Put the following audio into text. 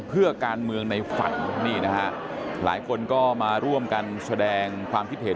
เพื่อการเมืองในฝันนี่นะฮะหลายคนก็มาร่วมกันแสดงความคิดเห็น